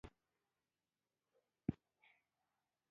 هغه د سپوږمۍ په بڼه د مینې سمبول جوړ کړ.